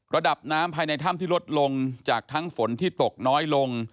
ระดับน้ำภายในถ้ำที่ลดลงจากทั้งฝนที่ตกน้อยลง